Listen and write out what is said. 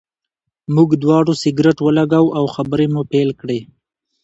موږ دواړو سګرټ ولګاوه او خبرې مو پیل کړې.